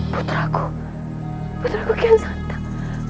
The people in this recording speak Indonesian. putraku putraku kian santan